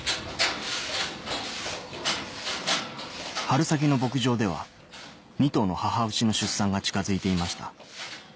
春先の牧場では２頭の母牛の出産が近づいていました